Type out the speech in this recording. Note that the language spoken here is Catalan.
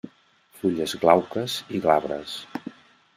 Fulles glauques i glabres.